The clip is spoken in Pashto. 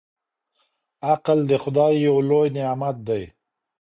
عقل د خدای يو لوی نعمت دی.